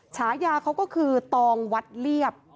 ฉายาเขาก็คือตองวัดเรียบ